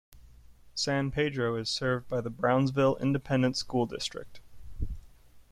San Pedro is served by the Brownsville Independent School District.